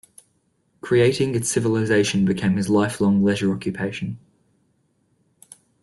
Creating its civilization became his lifelong leisure occupation.